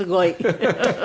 フフフフ。